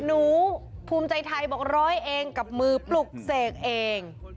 หนูภูมิใจไทยบอกร้อยเองกับมือปลุกเสกเอง